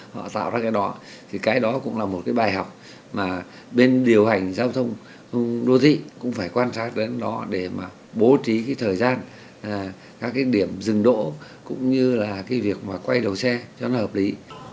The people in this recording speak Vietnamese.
họ tạo ra cái đó thì cái đó cũng là một cái bài học mà bên điều hành giao thông đô thị cũng phải quan sát đến đó để mà bố trí cái thời gian các cái điểm dừng đỗ cũng như là cái việc mà quay đầu xe cho nó hợp lý